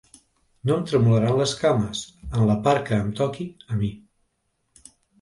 No em tremolaran les cames, en la part que em toqui a mi.